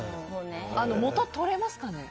元取れますかね？